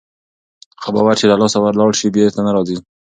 هغه باور چې له لاسه ولاړ سي بېرته نه راځي.